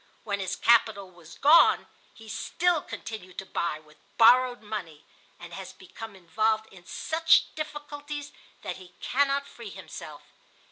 When his capital was gone he still continued to buy with borrowed money, and has become involved in such difficulties that he cannot free himself.